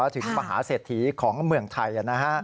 ถึงมหาเศรษฐีของเมืองไทย